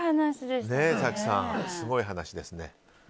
早紀さん、すごい話ですね。